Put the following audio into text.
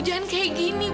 jangan kayak gini bu